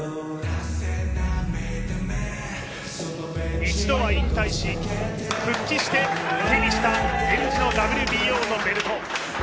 一度は引退し、復帰して手にしたエンジのＷＢＯのベルト。